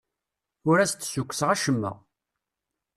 Ur as-d-ssukkseɣ acemma.